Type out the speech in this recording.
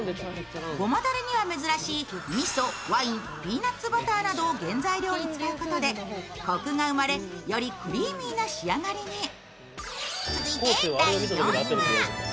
ごまだれには珍しいみそ、ワインピーナッツバターなどを原材料に使うことでコクが生まれよりクリーミーな仕上がりに。